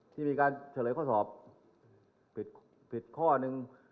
ที่มีการเฉลยข้อสอบผิดข้อหนึ่ง